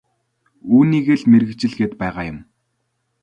Үүнийгээ л мэргэжил гээд байгаа юм.